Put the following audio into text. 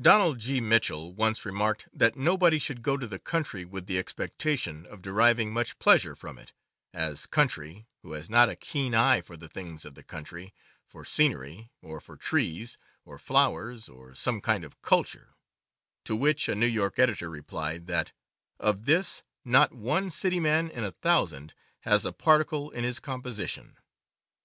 Donald G. Mitchell once remarked that nobody should go to the country with the expectation of deriving much pleasure from it, as country, who has not a keen eye for the things of the country, for scenery, or for trees, or flowers, or some kind of culture; to which a New York editor replied that *'Of this not one city man in a thousand has a particle in his composition."